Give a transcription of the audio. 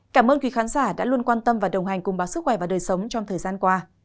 cảm ơn quý khán giả đã luôn quan tâm và đồng hành cùng báo sức khỏe và đời sống trong thời gian qua